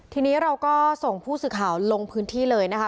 ทีนี้เราก็ส่งผู้สื่อข่าวลงพื้นที่เลยนะคะ